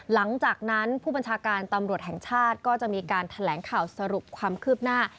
หลังจากนั้นผู้บัญชาการตำรวจแห่งชาติก็จะมีการแถลงข่าวสรุปความคืบหน้า